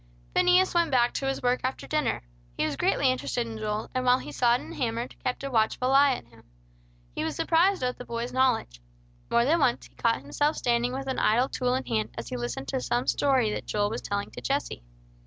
Phineas went back to his work after dinner. He was greatly interested in Joel, and, while he sawed and hammered, kept a watchful eye on him. He was surprised at the boy's knowledge. More than once he caught himself standing with an idle tool in hand, as he listened to some story that Joel was telling to Jesse.